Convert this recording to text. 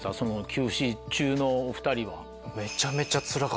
休止中のお２人は。